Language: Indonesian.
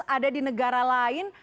ada di negara lain